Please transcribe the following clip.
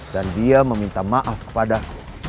dia meminta maaf kepadaku